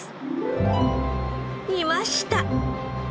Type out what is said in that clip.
いました！